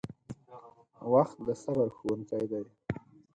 • وخت د صبر ښوونکی دی.